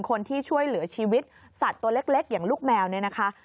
คนที่ช่วยเหลือชีวิตสัตว์ตัวเล็กอย่างลูกแมวเนี่ยนะคะ